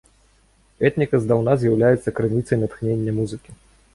Этніка здаўна з'яўляецца крыніцай натхнення музыкі.